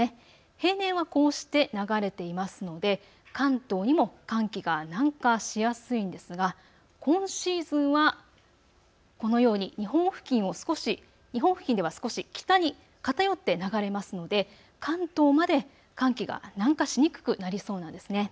平年はこうして流れていますので関東にも寒気が南下しやすいんですが今シーズンはこのように日本付近では少し北に偏って流れますので関東まで寒気が南下しにくくなりそうなんですね。